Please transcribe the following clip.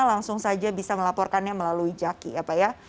langsung saja bisa melaporkannya melalui jaki ya pak ya